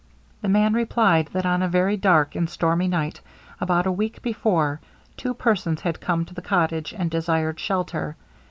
The man replied, that on a very dark and stormy night, about a week before, two persons had come to the cottage, and desired shelter.